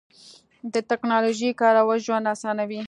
د تکنالوژۍ کارول ژوند اسانوي.